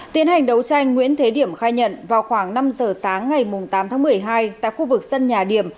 tiến hành đấu tranh nguyễn thế điểm khai nhận vào khoảng năm giờ sáng ngày tám tháng một mươi hai tại khu vực sân nhà điểm